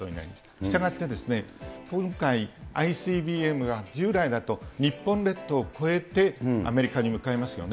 したがって、今回、ＩＣＢＭが従来だと日本列島を越えてアメリカに向かいますよね。